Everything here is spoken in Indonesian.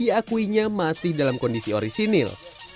di ini diakuinya masih dalam kondisi orisinil